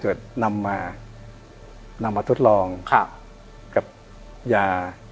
เกิดนำมาทดลองกับยา